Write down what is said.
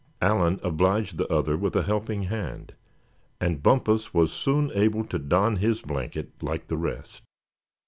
Allan obliged the other with a helping hand, and Bumpus was soon able to don his blanket like the rest.